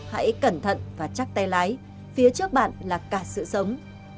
hãy cẩn thận và chắc tay lái phía trước bạn là cả sự sống